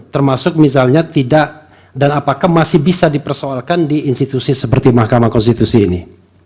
termasuk misalnya tidak dan apakah masih bisa dipersoalkan di institusi seperti mahkamah konstitusi ini